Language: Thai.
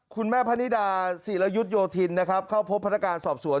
คุณแม่พระนิดาศรีรยุทธโยธินนะครับเข้าพบพนักการณ์สอบสวน